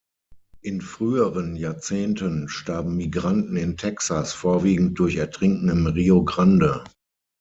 In früheren Jahrzehnten starben Migranten in Texas vorwiegend durch Ertrinken im Rio Grande.